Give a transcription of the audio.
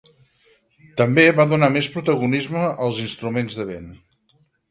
També va donar més protagonisme als instruments de vent.